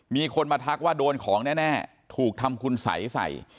มีคนมาทักว่าโดนของแน่ถูกทำคุณสัยใส่